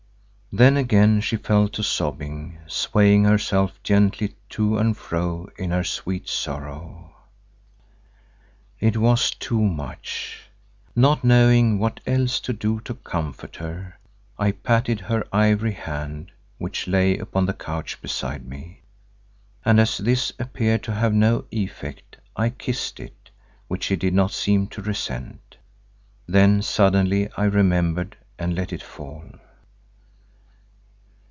Then again she fell to sobbing, swaying herself gently to and fro in her sweet sorrow. It was too much. Not knowing what else to do to comfort her, I patted her ivory hand which lay upon the couch beside me, and as this appeared to have no effect, I kissed it, which she did not seem to resent. Then suddenly I remembered and let it fall.